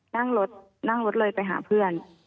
นั่งรถเลยไปหาเพื่อน